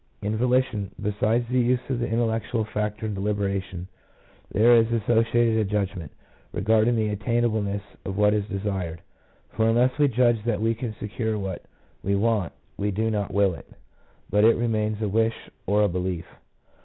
In volition, besides the use of the intellectual factor in deliberation, there is associated a judgment regarding the attainableness of what is desired, for unless we judge that we can secure what we want, we do not will it, but it remains a wish or a belief.